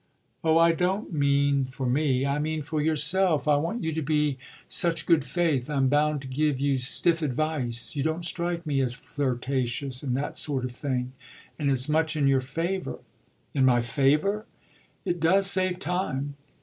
"Oh I don't mean for me, I mean for yourself I want you to be such good faith. I'm bound to give you stiff advice. You don't strike me as flirtatious and that sort of thing, and it's much in your favour." "In my favour?" "It does save time."